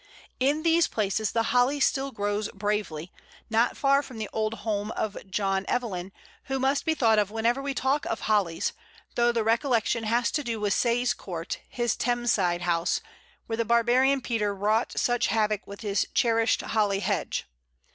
In these places the Holly still grows bravely, not far from the old home of John Evelyn, who must be thought of whenever we talk of Hollies, though the recollection has to do with Sayes Court, his Thames side house, where the barbarian Peter wrought such havoc with his cherished Holly hedge.